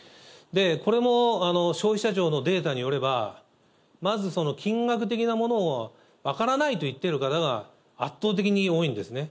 これも消費者庁のデータによれば、まず金額的なものを分からないと言っている方が圧倒的に多いんですね。